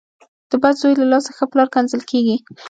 د بد زوی له لاسه ښه پلار کنځل کېږي .